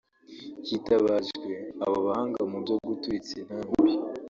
hitabajwe abo bahanga mu byo guturitsa intambi